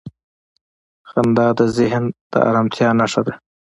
• خندا د ذهن د آرامتیا نښه ده.